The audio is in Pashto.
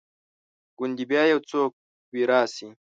ګوندي بیا یو څوک وي راشي